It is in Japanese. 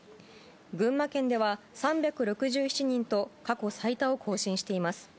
群馬県では３６７人と過去最多を更新しています。